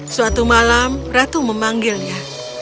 suatu malam ratu memanggilnya